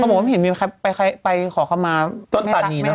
ผมเห็นมีใครไปขอเข้ามาแม่ตานีเลย